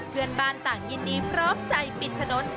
เพื่อนบ้านต่างยินดีพร้อมใจปิดถนน